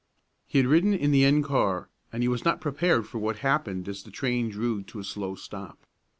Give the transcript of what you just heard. He had ridden in the end car, and he was not prepared for what happened as the train drew to a slow stop.